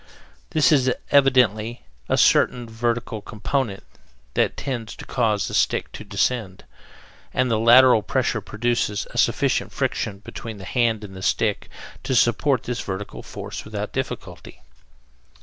There is evidently a certain vertical component that tends to cause the stick to descend, but the lateral pressure produces a sufficient friction between the hand and the stick to support this vertical force without difficulty.